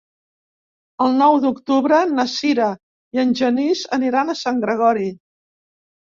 El nou d'octubre na Sira i en Genís aniran a Sant Gregori.